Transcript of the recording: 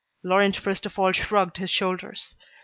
Laurent first of all shrugged his shoulders.